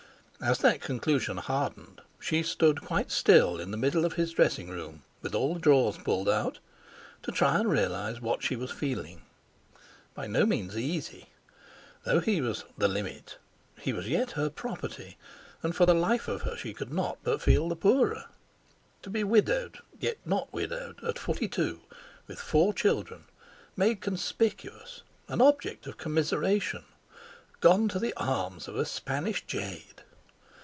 As that conclusion hardened she stood quite still in the middle of his dressing room, with all the drawers pulled out, to try and realise what she was feeling. By no means easy! Though he was "the limit" he was yet her property, and for the life of her she could not but feel the poorer. To be widowed yet not widowed at forty two; with four children; made conspicuous, an object of commiseration! Gone to the arms of a Spanish Jade!